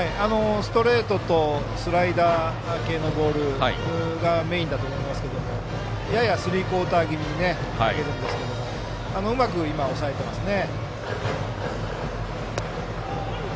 ストレートとスライダー系のボールがメインだと思いますがややスリークオーター気味に投げますがうまく抑えていますね。